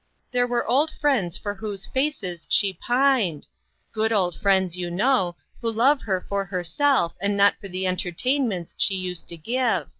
There were old friends for whose faces she pined. Good old friends, you know, who love her for herself, and not for the entertainments she used to give.